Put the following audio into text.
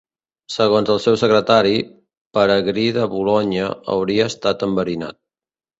Segons el seu secretari, Peregrí de Bolonya, hauria estat enverinat.